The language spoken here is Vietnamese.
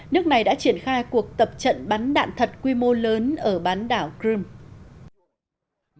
nước này đã triển khai cuộc tập trận bắn đạn thật quy mô lớn ở bán đảo crimea